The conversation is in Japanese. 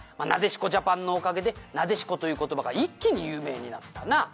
なでしこジャパンのおかげでなでしこという言葉が一気に有名になったな」